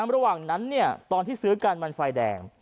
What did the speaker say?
ระหว่างนั้นตอนที่ซื้อกันมันไฟแดง